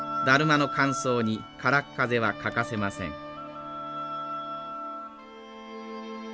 だるまの乾燥にからっ風は欠かせません。